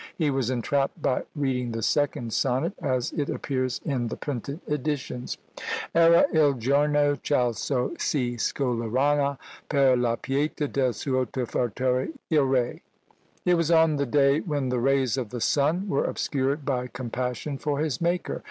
He was entrapped by reading the second sonnet, as it appears in the printed editions! Era il giorno ch' al sol si scolorana Per la pietà del suo fattore i rai. "It was on the day when the rays of the sun were obscured by compassion for his Maker."